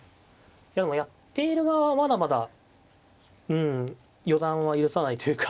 でもやっている側はまだまだうん予断は許さないというか。